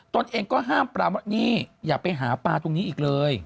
ตนเองก็ห้ามปรามว่านี่อย่าไปหาปลาตรงนี้อีกเลย